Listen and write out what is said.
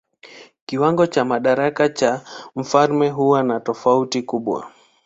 Kiwango cha madaraka cha mfalme huwa na tofauti kubwa.